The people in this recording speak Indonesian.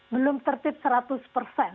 belum tertib seratus persen